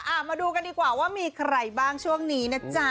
มาดูกันดีกว่าว่ามีใครบ้างช่วงนี้นะจ๊ะ